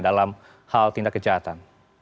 dalam hal tindak kejahatan